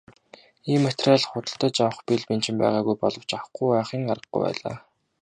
Ийм материал худалдаж авах бэл бэнчин байгаагүй боловч авахгүй байхын аргагүй байлаа.